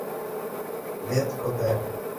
Death, Jr.